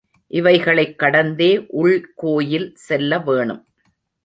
இவைகளைக் கடந்தே உள்கோயில் செல்ல வேணும்.